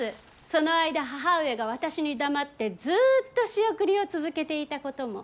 その間、母上が私にだまってずっと仕送りを続けていたことも。